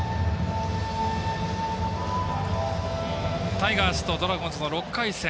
タイガースとドラゴンズの６回戦。